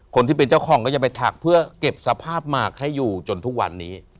คนที่เป็นเจ้าของก็จะไปถักเพื่อเก็บสภาพหมากให้อยู่จนทุกวันนี้